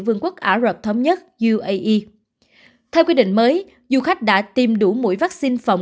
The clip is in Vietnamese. vương quốc ả rợp thống nhất theo quy định mới du khách đã tiêm đủ mũi vaccine phòng